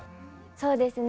そうですね